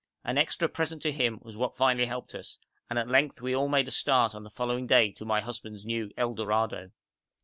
An extra present to him was what finally helped us, and at length we all made a start on the following day to my husband's new El Dorado.